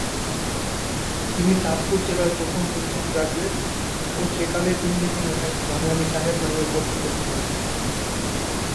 তিনি চাঁদপুর জেলার প্রথম মুসলিম গ্র্যাজুয়েট ও সেকালের ইংরেজি জানা বাঙালী সাহেব নামেও পরিচিত ছিলেন।